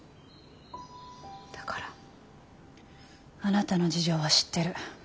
あなたの事情は知ってる。